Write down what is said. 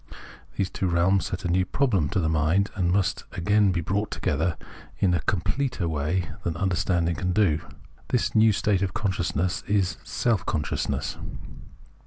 These two realms set a new problem to the mind, and must again be brought together in a completer way than understanding can do. This new state of consciousness is " self consciousness."